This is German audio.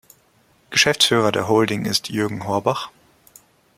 Geschäftsführer der Holding ist Jürgen Horbach.